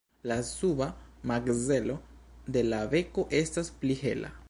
La suba makzelo de la beko estas pli hela.